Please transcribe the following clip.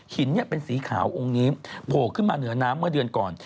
เป็นสีขาวองค์นี้โผล่ขึ้นมาเหนือน้ำเมื่อเดือนก่อน